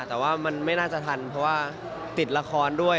แต่ว่ามันไม่น่าจะทันเพราะว่าติดละครด้วย